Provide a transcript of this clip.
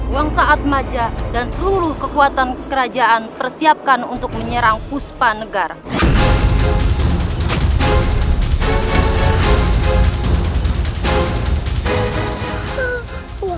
uang saat maja dan seluruh kekuatan kerajaan persiapkan untuk menyerang puspa negara